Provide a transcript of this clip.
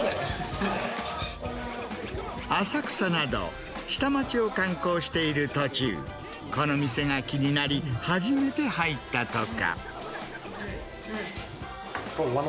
浅草など、下町を観光している途中、この店が気になり、初めて入ったとか。